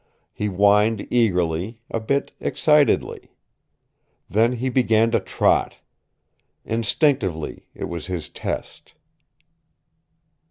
He whined eagerly, a bit excitedly. Then he began to trot. Instinctively it was his test.